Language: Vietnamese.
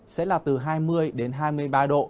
sẽ là từ hai mươi đến hai mươi ba độ